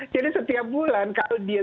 jadi setiap bulan kalau dia